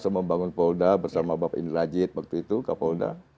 saya membangun polda bersama bapak indra rajit waktu itu k polda